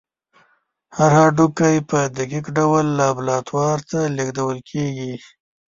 هر هډوکی په دقیق ډول لابراتوار ته لیږدول کېږي.